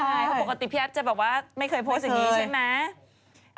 ปกติพี่แอฟจะบอกว่าไม่เคยโพสต์อย่างนี้ใช่ไหม